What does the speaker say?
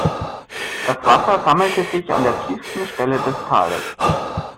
Das Wasser sammelte sich an der tiefsten Stelle des Tales.